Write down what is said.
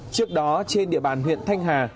trước đó trên địa bàn huyện thanh hà